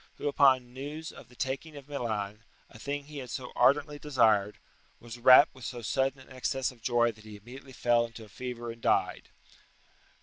who upon news of the taking of Milan, a thing he had so ardently desired, was rapt with so sudden an excess of joy that he immediately fell into a fever and died.